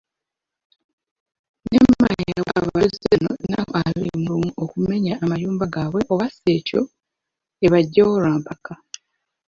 NEMA yawa abatuuze bano ennaku abiri mu lumu okumenya amayumba gaabwe oba ssi ekyo, ebaggyewo lwampaka.